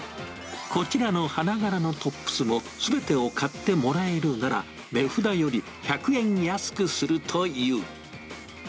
こちらの花柄のトップスも、すべてを買ってもらえるなら、値札より１００円安くするという。